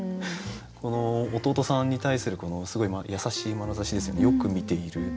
この弟さんに対するすごい優しいまなざしですよねよく見ている。